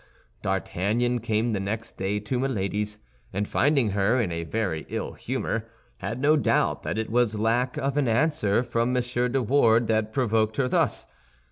D'Artagnan came the next day to Milady's, and finding her in a very ill humor, had no doubt that it was lack of an answer from M. de Wardes that provoked her thus.